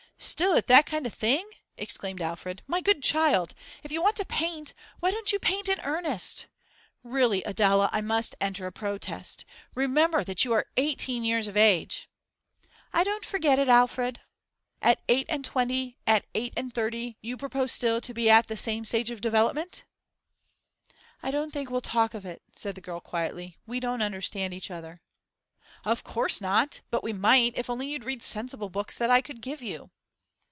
'Still at that kind of thing!' exclaimed Alfred. 'My good child, if you want to paint, why don't you paint in earnest? Really, Adela, I must enter a protest! Remember that you are eighteen years of age.' 'I don't forget it, Alfred.' 'At eight and twenty, at eight and thirty, you propose still to be at the same stage of development?' 'I don't think we'll talk of it,' said the girl quietly. 'We don't understand each other.' 'Of course not, but we might, if only you'd read sensible books that I could give you.